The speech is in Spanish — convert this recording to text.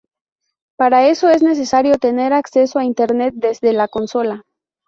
Para esto es necesario tener acceso a internet desde la consola.